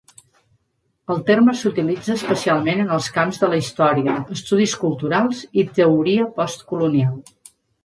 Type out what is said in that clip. El terme s'utilitza especialment en els camps de la història, estudis culturals i teoria postcolonial.